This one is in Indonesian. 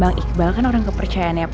bang iqbal kan orang kepercayaan ya pak